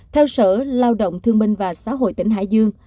theo sở lao động thương minh và xã hội tỉnh hải dương